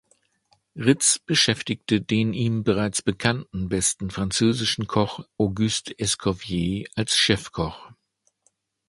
Ritz beschäftigte den ihm bereits bekannten besten französischen Koch Auguste Escoffier als Chefkoch.